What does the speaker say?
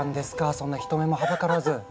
そんな人目もはばからず。